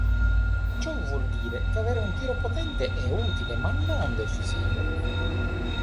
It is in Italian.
Ciò vuol dire che avere un tiro potente è utile, ma non decisivo.